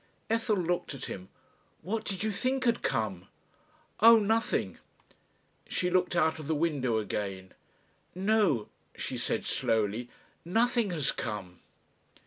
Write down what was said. Ethel looked at him. "What did you think had come?" "Oh! nothing." She looked out of the window again. "No," she said slowly, "nothing has come."